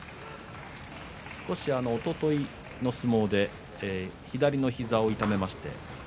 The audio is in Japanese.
少しおとといの相撲で左の膝を痛めました。